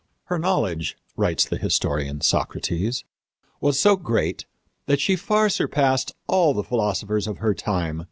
"Her knowledge," writes the historian, Socrates, "was so great that she far surpassed all the philosophers of her time.